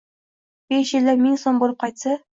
Besh yilda ming so‘m bo‘lib qaytsa.